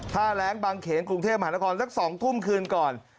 แร้งบางเขนกรุงเทพมหานครสัก๒ทุ่มคืนก่อน